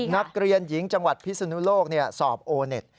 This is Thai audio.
นักเรียนหญิงจังหวัดพิศนุโลกสอบโอเน็ต